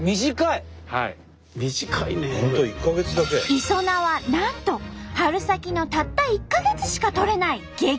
いそなはなんと春先のたった１か月しか採れない激